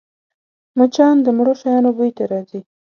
مچان د مړو شیانو بوی ته راځي